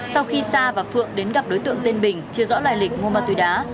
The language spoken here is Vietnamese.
sau khi sa và phượng đến gặp đối tượng tên bình chưa rõ loài lịch mua ma túy đá